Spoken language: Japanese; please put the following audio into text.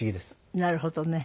なるほどね。